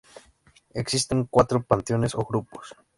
Existen cuatro panteones o grupos.